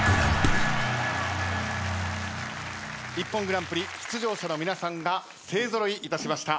『ＩＰＰＯＮグランプリ』出場者の皆さんが勢揃いいたしました。